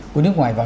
của nước ngoài vào